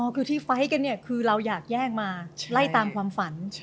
คือที่ไฟล์กันเนี่ยคือเราอยากแย่งมาไล่ตามความฝัน